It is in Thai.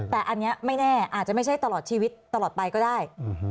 แต่อันนี้ไม่แน่อาจจะไม่ใช่ตลอดชีวิตตลอดไปก็ได้